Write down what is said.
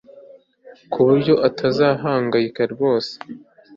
ku buryo utazahangayika rwose